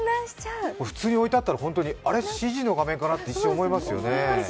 普通に置いてあったら、ＣＧの画面かなって思っちゃいますよね。